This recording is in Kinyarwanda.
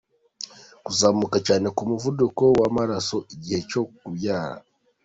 Kuzamuka cyane kw’umuvuduko w’amaraso igihe cyo kubyara.